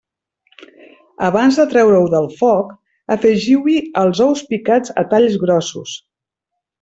Abans de treure-ho del foc, afegiu-hi els ous picats a talls grossos.